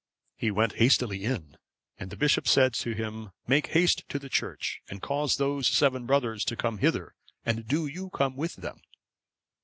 He went hastily in, and the bishop said to him, "Make haste to the church, and cause those seven brothers to come hither, and do you come with them."